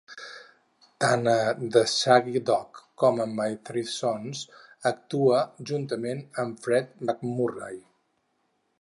Tant a "The Shaggy Dog" com a "My Three Sons", actua juntament amb Fred MacMurray.